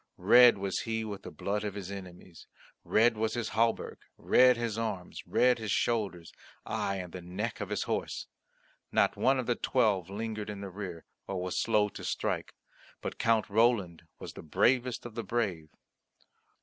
Red was he with the blood of his enemies, red was his hauberk, red his arms, red his shoulders, aye, and the neck of his horse. Not one of the Twelve lingered in the rear, or was slow to strike, but Count Roland was the bravest of the brave.